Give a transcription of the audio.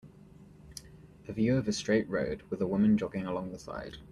A view of a straight road with a woman jogging along the side.